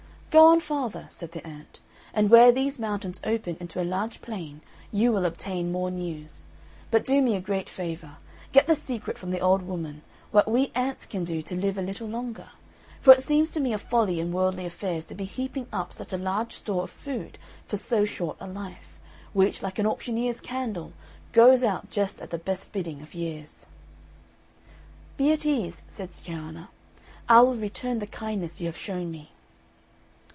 "Go on farther," said the ant, "and where these mountains open into a large plain you will obtain more news. But do me a great favour, get the secret from the old woman, what we ants can do to live a little longer; for it seems to me a folly in worldly affairs to be heaping up such a large store of food for so short a life, which, like an auctioneer's candle, goes out just at the best bidding of years." "Be at ease," said Cianna, "I will return the kindness you have shown me."